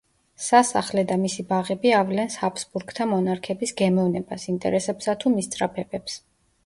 სასახლე და მისი ბაღები ავლენს ჰაბსბურგთა მონარქების გემოვნებას, ინტერესებსა თუ მისწრაფებებს.